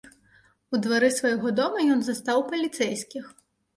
У двары свайго дома ён застаў паліцэйскіх.